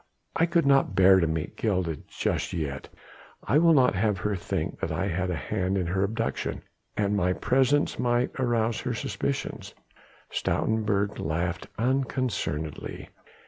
I could not bear to meet Gilda just yet. I will not have her think that I had a hand in her abduction and my presence might arouse her suspicions." Stoutenburg laughed unconcernedly.